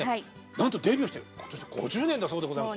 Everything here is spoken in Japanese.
なんとデビューして今年で５０年だそうでございます。